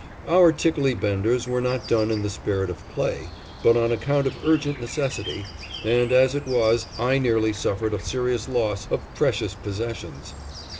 Our tickley benders were not done in the spirit of play, but on account of urgent necessity, and as it was I nearly suffered a serious loss of precious possessions.